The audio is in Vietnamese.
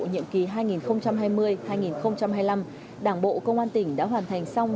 nhiệm kỳ hai nghìn hai mươi hai nghìn hai mươi năm đảng bộ công an tỉnh đã hoàn thành xong